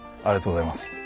ありがとうございます。